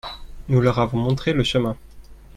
nous leur avons montré le chemin.